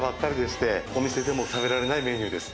お店でも食べられないメニューです。